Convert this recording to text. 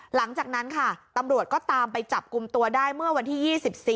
หลังจากนั้นค่ะตำรวจก็ตามไปจับกลุ่มตัวได้เมื่อวันที่๒๔